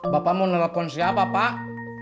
bapak mau nelfon siapa pak